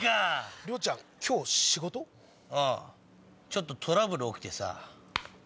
ちょっとトラブル起きてさ。